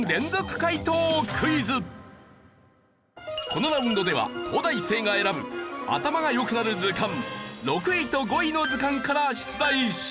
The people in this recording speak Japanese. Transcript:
このラウンドでは東大生が選ぶ頭が良くなる図鑑６位と５位の図鑑から出題します。